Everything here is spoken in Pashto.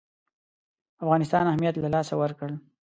افغانستان اهمیت له لاسه ورکړ.